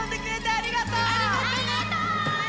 ありがとね！